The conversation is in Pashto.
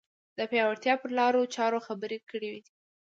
د پیاوړتیا پر لارو چارو خبرې کړې دي